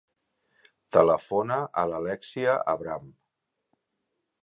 Telefona a l'Alèxia Avram.